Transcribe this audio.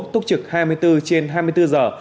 túc trực hai mươi bốn trên hai mươi bốn giờ